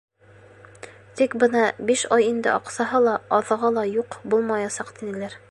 Тик бына биш ай инде аҡсаһы ла, аҙығы ла юҡ, булмаясаҡ, тинеләр.